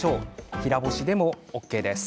平干しでもＯＫです。